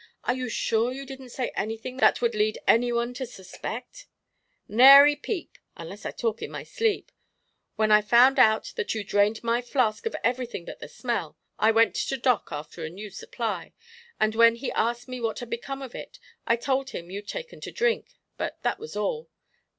Are you sure you didn't say anything that would lead any one to suspect?" "'Nary peep, unless I talked in my sleep. When I found out that you'd drained my flask of everything but the smell, I went to Doc after a new supply, and when he asked me what had become of it I told him you'd taken to drink, but that was all.